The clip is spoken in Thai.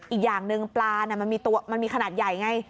อีกอย่างหนึ่งปลาน่ะมันมีขนาดใหญ่ไง